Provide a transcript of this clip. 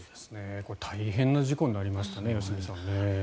大変な事故になりましたね、良純さん。